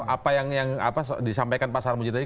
apa yang disampaikan pak sarmuji tadi